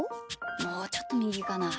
もうちょっとみぎかな。